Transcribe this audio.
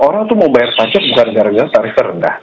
orang itu mau bayar pajak bukan gara gara tarif terendah